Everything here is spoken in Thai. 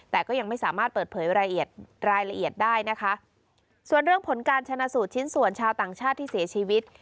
แต่ก็ยังไม่สามารถเปิดเผยรายละเอียดรายละเอียดได้นะคะส่วนเรื่องผลการชนะสูตรชิ้นส่วนชาวต่างชาติที่เสียชีวิต